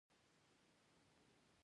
سلیمان غر د اقتصادي منابعو ارزښت زیاتوي.